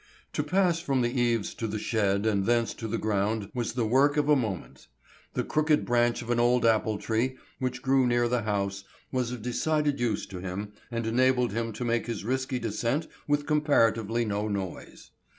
To pass from the eaves to the shed and thence to the ground was the work of a moment. The crooked branch of an old apple tree which grew near the house, was of decided use to him and enabled him to make his risky descent with comparatively no noise.